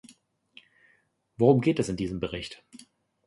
Worum geht es in diesem Bericht?